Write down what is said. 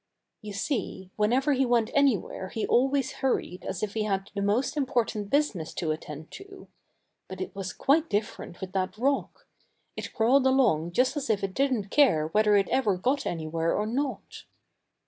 You see, whenever he went anywhere he always hurried as if he had the most important business to attend to. But it was quite different with that rock. It crawled along just as if it didn't care whether it ever got anywhere or not.